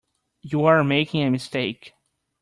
You are making a mistake.